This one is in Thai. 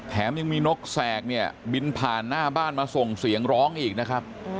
แถมยังมีนกแสกเนี่ยบินผ่านหน้าบ้านมาส่งเสียงร้องอีกนะครับ